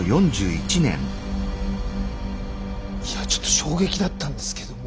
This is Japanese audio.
いやちょっと衝撃だったんですけども。